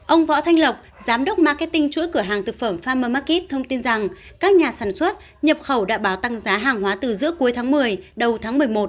ông võ thanh lộc giám đốc marketing chuỗi cửa hàng thực phẩm famer market thông tin rằng các nhà sản xuất nhập khẩu đã báo tăng giá hàng hóa từ giữa cuối tháng một mươi đầu tháng một mươi một